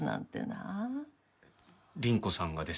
倫子さんがですか？